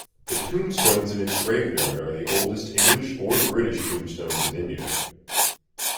The tombstones in its graveyard are the oldest English or British tombstones in India.